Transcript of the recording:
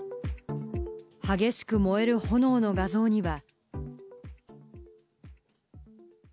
激しく燃える炎の画像には。